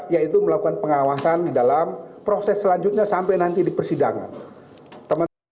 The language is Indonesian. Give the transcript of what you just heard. yaitu melakukan pengawasan di dalam proses selanjutnya sampai nanti di persidangan